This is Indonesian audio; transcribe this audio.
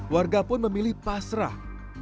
warga pun memilih pasrah